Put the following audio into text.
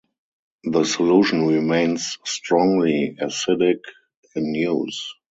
The solution remains strongly acidic in use.